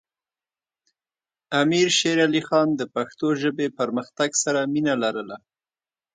امیر شیر علی خان د پښتو ژبې پرمختګ سره مینه لرله.